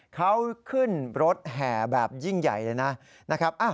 เขาขึ้นรถแห่แบบยิ่งใหญ่เลยนะครับ